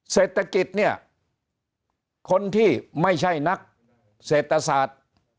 เศรษฐกิจเนี่ยคนที่ไม่ใช่นักเศรษฐศาสตร์